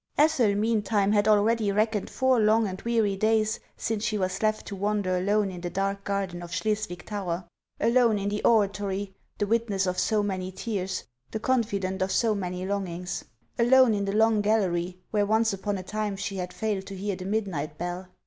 ETHEL, meantime, had already reckoned four long and weary days since she was left to wander alone in the dark garden of Schleswig tower ; alone in the oratory, the witness of so many tears, the confidant of so many longings ; alone in the long gallery, where once upon a time she had failed to hear the midnight bell.